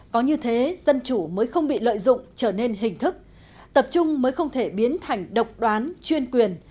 có như thế dân chủ mới không bị lợi dụng trở nên hình thức tập trung mới không thể biến thành độc đoán chuyên quyền